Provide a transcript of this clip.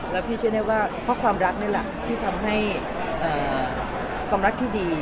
แล้วพี่เชื่อได้ว่าเพราะความรักนี่แหละที่ทำให้ความรักที่ดี